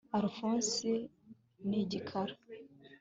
alphonse ni igikara